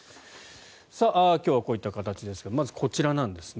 今日はこういった形ですがまずこちらなんですね。